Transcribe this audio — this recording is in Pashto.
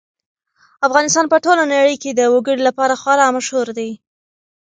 افغانستان په ټوله نړۍ کې د وګړي لپاره خورا مشهور دی.